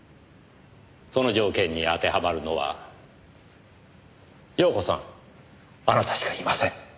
その条件に当てはまるのは遥子さんあなたしかいません。